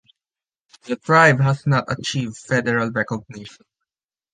The tribe has not achieved federal recognition.